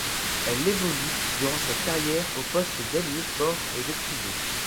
Elle évolue durant sa carrière aux postes d'ailier fort et de pivot.